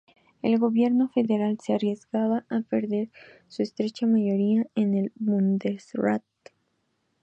El gobierno federal se arriesgaba a perder su estrecha mayoría en el Bundesrat.